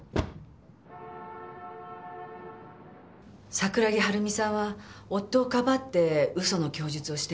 桜木春美さんは夫をかばって嘘の供述をしてるのね？